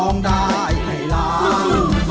ร้องได้ให้ล้าน